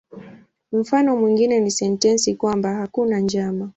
Mfano mwingine ni sentensi kwamba "hakuna njama".